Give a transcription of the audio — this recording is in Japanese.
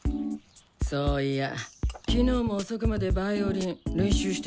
そういや昨日も遅くまでヴァイオリン練習してたみたいだね？